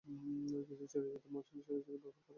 যদিও চিরাচরিত মঞ্চ অনুষ্ঠানের জন্য ব্যবহার করে ছিল।